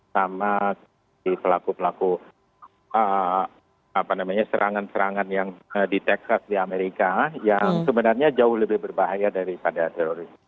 sama pelaku pelaku serangan serangan yang ditexas di amerika yang sebenarnya jauh lebih berbahaya daripada teroris